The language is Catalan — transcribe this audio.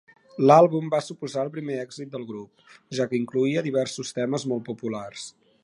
L'àlbum va suposar el primer èxit del grup, ja que incloïa diversos temes molt populars.